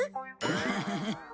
ハハハハ。